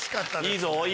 いいぞ！